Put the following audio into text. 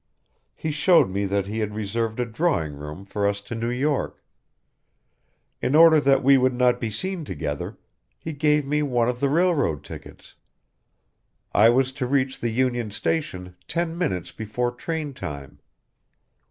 He showed me that he had reserved a drawing room for us to New York. In order that we would not be seen together, he gave me one of the railroad tickets. I was to reach the Union Station ten minutes before train time.